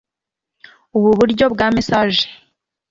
Ubu buryo bwa massage